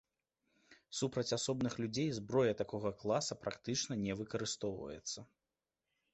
Супраць асобных людзей зброя такога класа практычна не выкарыстоўваецца.